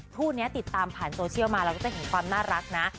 คู่นี้ติดตามผ่านโซเชียลมาเราก็จะเห็นความน่ารักนะ